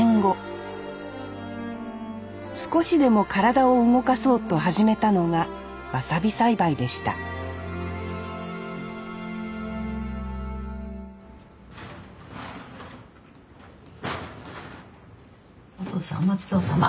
少しでも体を動かそうと始めたのがわさび栽培でしたお父さんおまちどおさま。